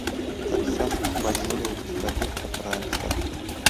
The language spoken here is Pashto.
تر سخت غبرګون وروسته بیرته پرانيستل شوه.